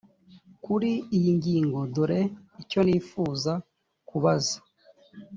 kuri iyi ngingo dore icyo nifuza kubaza